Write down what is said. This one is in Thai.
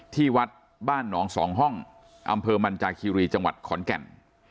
ที่วัดบ้านหนองสองห้องอำเภอมันจาคีรีจังหวัดขอนแก่น